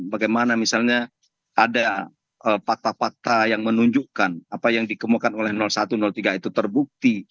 bagaimana misalnya ada fakta fakta yang menunjukkan apa yang dikemukan oleh satu tiga itu terbukti